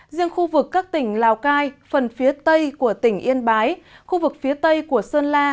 riêng khu vực các tỉnh lào cai phần phía tây của tỉnh yên bái khu vực phía tây của sơn la